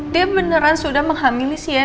dia beneran sudah menghamili sienna